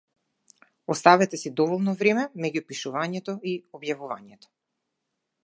Оставете си доволно време меѓу пишувањето и објавувањето.